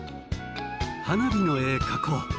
花火の絵描こう！